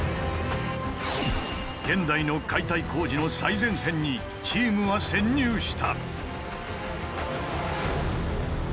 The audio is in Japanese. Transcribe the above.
現代の解体工事の最前線にチームは潜入した。